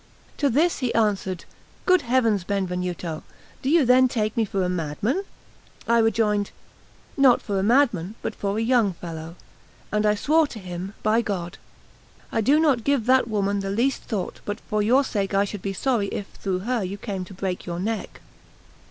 To this he answered: "Good heavens, Benvenuto! do you then take me for a madman?" I rejoined: "Not for a madman, but for a young fellow;" and I swore to him by God: "I do not give that woman the least thought; but for your sake I should be sorry if through her you come to break your neck."